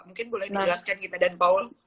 mungkin boleh dijelaskan kita dan paul